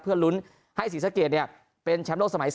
เพื่อลุ้นให้ศรีสะเกดเป็นแชมป์โลกสมัย๒